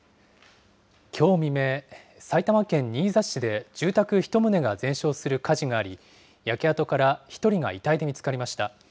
きょう未明、埼玉県新座市で住宅１棟が全焼する火事があり、焼け跡から１人が遺体で見つかりました。